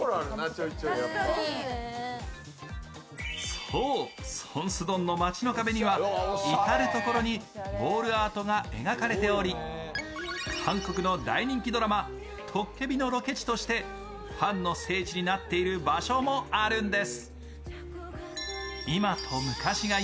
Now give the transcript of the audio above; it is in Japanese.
そう、ソンスドンの街の壁には至る所にウォールアートが描かれており、韓国の大人気ドラマ「トッケビ」のロケ地としてファンの聖地になっている場所もあるんです。